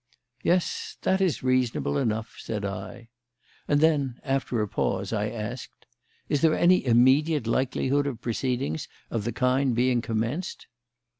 "Yes, that is reasonable enough," said I. And then, after a pause, I asked: "Is there any immediate likelihood of proceedings of the kind being commenced?"